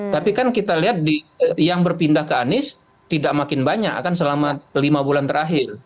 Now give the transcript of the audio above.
tapi kan kita lihat yang berpindah ke anies tidak makin banyak kan selama lima bulan terakhir